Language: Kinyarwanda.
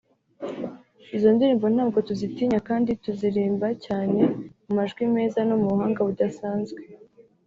Izo ndirimbo ntabwo tuzitinya kandi tuzirimba neza mu majwi meza no mu buhanga budasanzwe